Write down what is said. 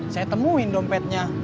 saya temuin dompetnya